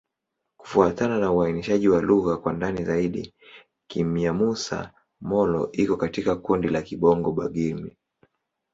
Kufuatana na uainishaji wa lugha kwa ndani zaidi, Kinyamusa-Molo iko katika kundi la Kibongo-Bagirmi.